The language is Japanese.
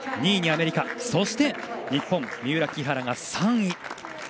２位にアメリカそして日本の三浦、木原が３位。